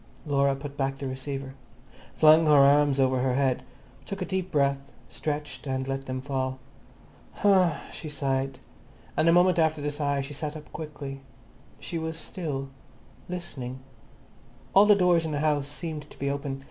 Laura put back the receiver, flung her arms over her head, took a deep breath, stretched and let them fall. "Huh," she sighed, and the moment after the sigh she sat up quickly. She was still, listening. All the doors in the house seemed to be open.